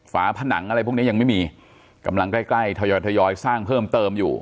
ฝาผนังอะไรพวกนี้ยังไม่มีกำลังใกล้ใกล้ทยอยทยอยสร้างเพิ่มเติมอยู่